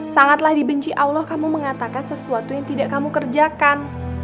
sangatlah dibenci allah kamu mengatakan sesuatu yang tidak kamu kerjakan